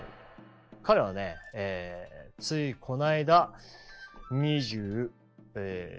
彼はねついこの間２３歳。